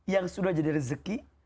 yang sudah jadi rezeki